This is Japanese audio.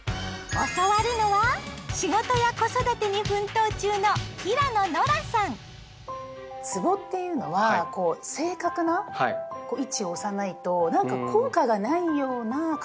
教わるのは仕事や子育てに奮闘中のつぼっていうのはこう正確な位置を押さないとなんか効果がないような勝手なイメージが。